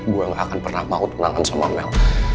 gue gak akan pernah mau kenangan sama mel